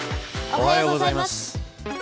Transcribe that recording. おはようございます。